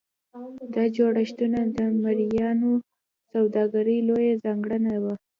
دا جوړښتونه د مریانو سوداګري لویه ځانګړنه وه.